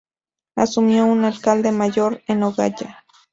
Asumió un alcalde mayor en Nogoyá.